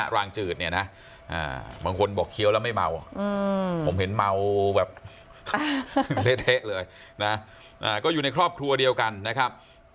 รางจืดเนี่ยนะบางคนบอกเคี้ยวแล้วไม่เมาผมเห็นเมาแบบเละเทะเลยนะก็อยู่ในครอบครัวเดียวกันนะครับ